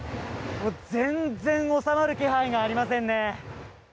全然収まる気配がありませんね。